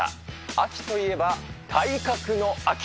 秋といえば体格の秋。